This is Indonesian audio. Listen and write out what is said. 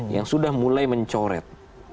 yang sudah mulai mencoret